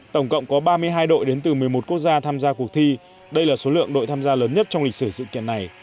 tổng cộng có ba mươi hai đội đến từ một mươi một quốc gia tham gia cuộc thi đây là số lượng đội tham gia lớn nhất trong lịch sử sự kiện này